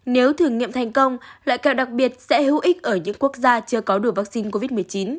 nếu thử nghiệm thành công loại kẹo đặc biệt sẽ hữu ích ở những quốc gia chưa có đủ vaccine covid một mươi chín